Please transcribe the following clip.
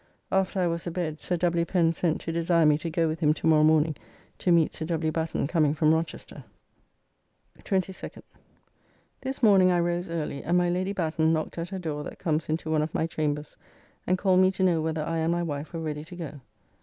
After I was a bed Sir W. Pen sent to desire me to go with him to morrow morning to meet Sir W. Batten coming from Rochester. 22nd. This morning I rose early, and my Lady Batten knocked at her door that comes into one of my chambers, and called me to know whether I and my wife were ready to go.